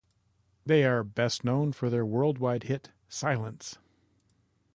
They are best known for their worldwide hit "Silence".